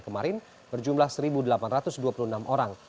kemarin berjumlah satu delapan ratus dua puluh enam orang